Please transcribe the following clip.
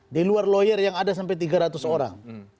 di luar lawyer yang ada sampai tiga ratus orang